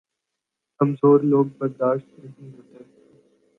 کمزور لوگ برداشت نہیں ہوتے